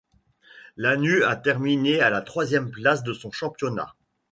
Lanus a terminé à la troisième place de son championnat.